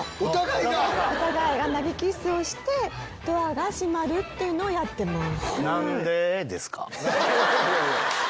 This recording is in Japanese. お互いが投げキッスをしてドアが閉まるっていうのをやってます。